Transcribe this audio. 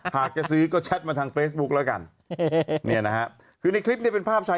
หากจะซื้อก็แชทมาทางเฟซบุ๊คแล้วกันเนี่ยนะฮะคือในคลิปนี้เป็นภาพชาย